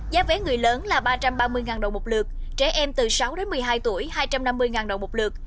giá vé người lớn là ba trăm ba mươi đồng một lượt trẻ em từ sáu đến một mươi hai tuổi hai trăm năm mươi đồng một lượt